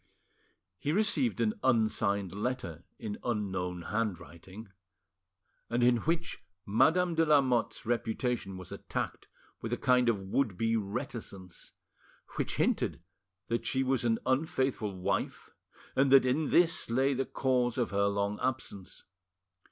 He received an unsigned letter in unknown handwriting, and in which Madame de Lamotte's reputation was attacked with a kind of would be reticence, which hinted that she was an unfaithful wife and that in this lay the cause of her long absence.